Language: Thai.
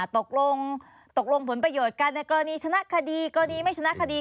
ตกลงตกลงผลประโยชน์กันในกรณีชนะคดีกรณีไม่ชนะคดี